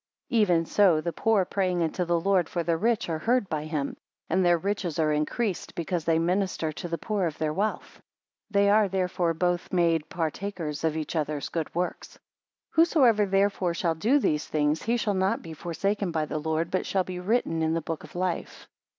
11 Even so the poor praying unto the Lord for the rich, are heard by him; and their riches are increased, because they minister to the poor of their wealth. They are, therefore, both made partakers of each other's good works. 12 Whosoever, therefore, shall do these things, he shall not be forsaken by the Lord, but shall be written in the book of life.